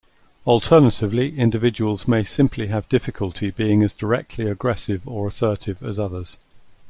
Alternatively individuals may simply have difficulty being as directly aggressive or assertive as others.